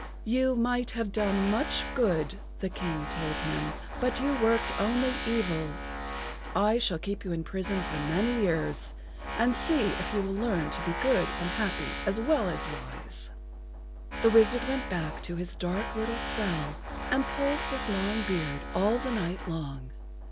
"You might have done much good," the King told him, "but you worked only evil. I shall keep you in prison for many years and see if you will learn to be good and happy as well as wise." The wizard went back to his dark little cell and pulled his long beard all the night long.